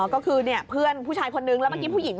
ก็คือเพื่อนผู้ชายคนนึงแล้วเมื่อกี้ผู้หญิง